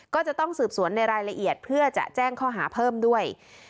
ก็จะต้องสืบสวนในรายละเอียดเพื่อจะแจ้งข้อหาเพิ่มด้วย